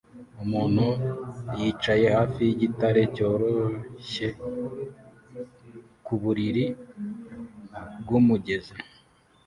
Umuntu yicaye hafi yigitare cyoroshye ku buriri bwumugezi